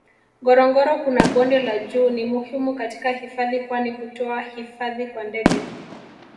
Ngorongoro kuna Bonde la juu ni muhimu katika hifadhi kwani hutoa hifadhi kwa ndege